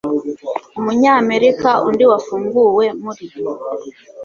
Umunyamerika undi wafunguwe muri